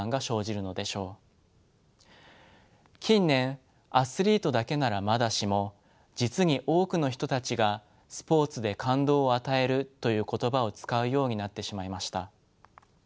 近年アスリートだけならまだしも実に多くの人たちが「スポーツで感動を与える」という言葉を使うようになってしまいました。